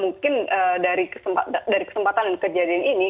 mungkin dari kesempatan dan kejadian ini